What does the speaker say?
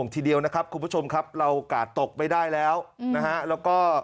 ทีเดียวนะครับคุณผู้ชมครับเรากาดตกไม่ได้แล้วนะฮะแล้วก็